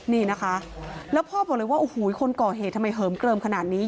นี่นะคะแล้วพ่อบอกเลยว่าโอ้โหคนก่อเหตุทำไมเหิมเกลิมขนาดนี้